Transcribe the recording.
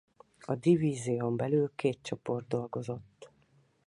A divízión belül két csoport dolgozott.